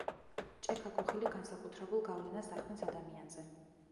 ჭექა-ქუხილი განსაკუთრებულ გავლენას ახდენს ადამიანზე.